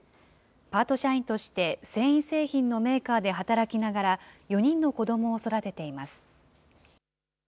パート社員として繊維製品のメーカーで働きながら、４人の子どもを育てています。